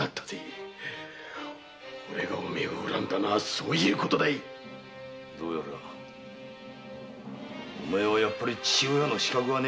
おれがお前を恨んだのはそういうことだどうやらお前には父親の資格はねぇな。